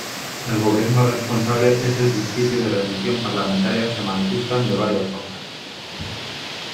El gobierno responsable es el principio de rendición parlamentaria se manifiestan de varias formas.